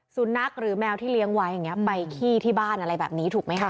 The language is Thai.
สุนั๊กหรือแมวที่เลี้ยงไว